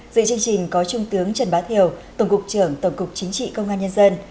dự chương trình có trung tướng trần bá thiều tổng cục trưởng tổng cục chính trị công an nhân dân